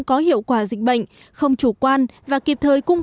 có hiệu quả dịch bệnh không chủ quan và kịp thời cung